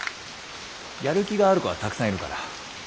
やる気がある子はたくさんいるから。